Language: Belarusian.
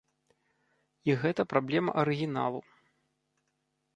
І гэта праблема арыгіналу.